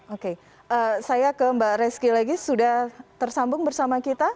oke saya ke mbak reski lagi sudah tersambung bersama kita